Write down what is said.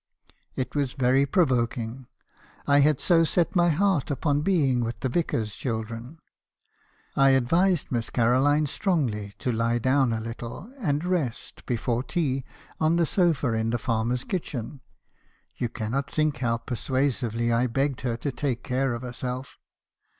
It was very provoking; I had so set my heart upon being with the vicar's children. I advised Miss Caroline strongly to lie down a little, and rest before tea, on the sofa in the farmer's kitchen; you cannot think how per suasively I begged her to take care of herself.